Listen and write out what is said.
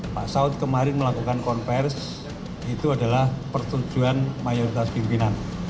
pak saud kemarin melakukan konversi itu adalah persetujuan mayoritas pimpinan